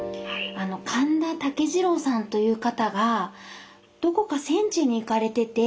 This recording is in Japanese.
カンダタケジロウさんという方がどこか戦地に行かれてて。